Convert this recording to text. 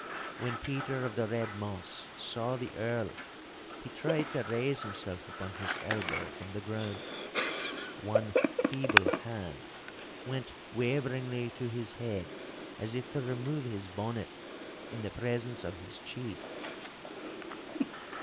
When Peter of the Red Moss saw the Earl, he tried to raise himself upon his elbow from the ground. One feeble hand went waveringly to his head as if to remove his bonnet in the presence of his chief.